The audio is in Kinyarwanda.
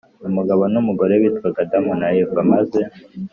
umugabo n umugore bitwaga Adamu na Eva maze